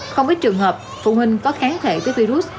không ít trường hợp phụ huynh có kháng thể với virus